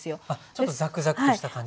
ちょっとザクザクとした感じですか。